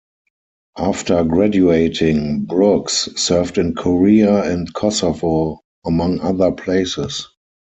After graduating Brooks served in Korea and Kosovo among other places.